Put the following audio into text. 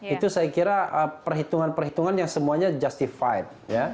itu saya kira perhitungan perhitungan yang semuanya justified